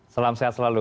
selam sehat selalu